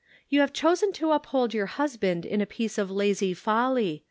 You have chosen to uphold your husband in a piece of lazy folly.